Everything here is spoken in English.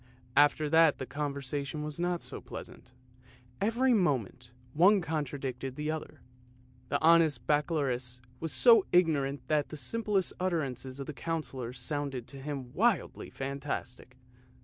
After that the conversation was not so pleasant, every moment one contradicted the other. The honest Baccalaureus was so ignorant that the simplest utterances of the Councillor sounded to him wildly fantastic.